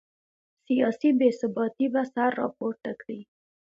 سیاسي بې ثباتي به سر راپورته کړي.